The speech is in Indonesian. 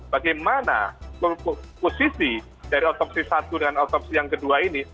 bagaimana posisi dari otopsi satu dengan otopsi yang kedua ini